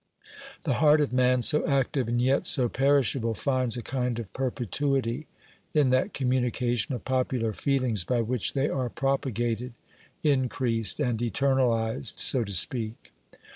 The heart of man, so active and yet so perishable, finds a kind of perpetuity, in that communication of popular feelings by which they are propagated, increased and eternalised, so to speak.